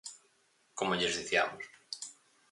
Como lles diciamos.